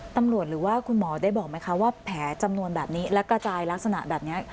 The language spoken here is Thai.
หรือว่าคุณหมอได้บอกไหมคะว่าแผลจำนวนแบบนี้และกระจายลักษณะแบบนี้